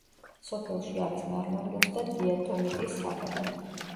სოფელში არის მარმარილოს და დიატომიტის საბადო.